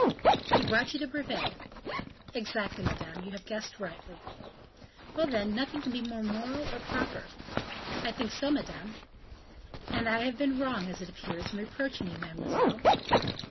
"He brought you the brevet." "Exactly, madame; you have guessed rightly." "Well, then, nothing can be more moral or proper." "I think so, madame." "And I have been wrong, as it appears, in reproaching you, mademoiselle."